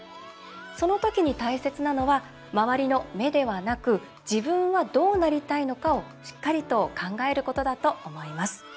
その時に大切なのは周りの目ではなく自分はどうなりたいのかをしっかりと考えることだと思います。